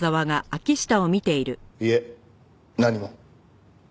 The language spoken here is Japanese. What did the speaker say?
いえ何も。